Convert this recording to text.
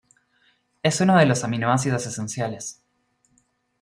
Es uno de los aminoácidos esenciales.